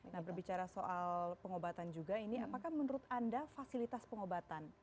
nah berbicara soal pengobatan juga ini apakah menurut anda fasilitas pengobatan